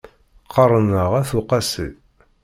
Qqaṛen-aɣ At Uqasi.